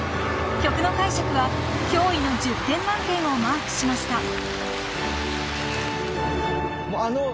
［曲の解釈は驚異の１０点満点をマークしました］